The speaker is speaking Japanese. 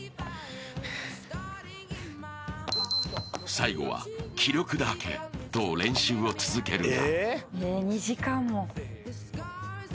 ［最後は気力だけと練習を続けるが］